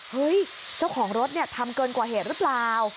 เฮ้ยเจ้าของรถเนี่ยทำเกินกว่าเหตุหรือเปล่า